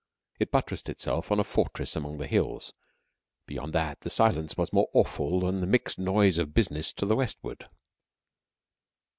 It buttressed itself on a fortress among hills. Beyond that, the silence was more awful than the mixed noise of business to the westward.